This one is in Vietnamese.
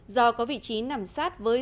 do có vị trí nằm sát với